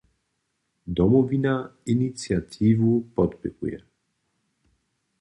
Domowina iniciatiwu podpěruje.